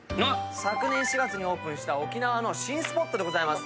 昨年４月にオープンした沖縄の新スポットでございます。